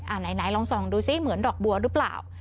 ไหนลองส่องดูซิเหมือนดอกบัวหรือเปล่า